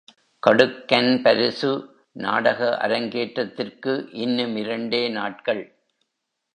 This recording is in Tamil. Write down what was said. கடுக்கன் பரிசு நாடக அரங்கேற்றத்திற்கு இன்னும் இரண்டே நாட்கள்.